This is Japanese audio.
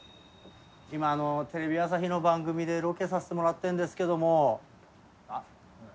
今あのテレビ朝日の番組でロケさせてもらってるんですけども。